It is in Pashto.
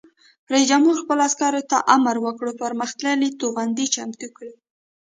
رئیس جمهور خپلو عسکرو ته امر وکړ؛ پرمختللي توغندي چمتو کړئ!